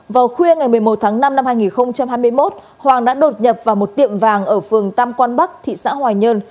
vào khuya ngày một mươi một tháng năm năm hai nghìn hai mươi một hoàng đã đột nhập vào một tiệm vàng ở phường tam quan bắc thị xã hoài nhơn